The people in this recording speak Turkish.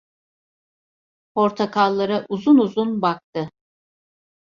Portakallara uzun uzun baktı.